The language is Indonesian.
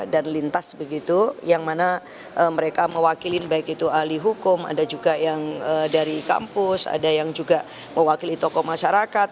dan lintas begitu yang mana mereka mewakili baik itu ahli hukum ada juga yang dari kampus ada yang juga mewakili tokoh masyarakat